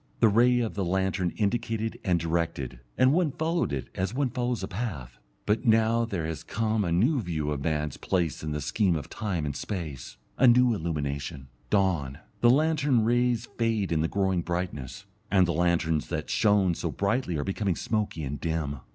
The ray of the lantern indicated and directed, and one followed it as one follows a path. But now there has come a new view of man's place in the scheme of time and space, a new illumination, dawn; the lantern rays fade in the growing brightness, and the lanterns that shone so brightly are becoming smoky and dim.